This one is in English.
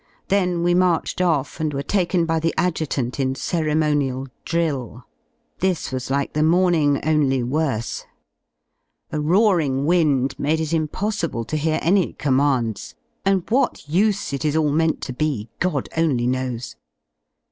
Then we marched off and were taken by the Adjutant in ceremonial drill. This was like the morning, only worse. A roaring wind made it impos sible to hear any commands, and what use it is all meant to be, God only knows.